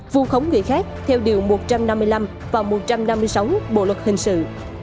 vu khống người khác theo điều một trăm năm mươi năm và một trăm năm mươi sáu bộ luật hình sự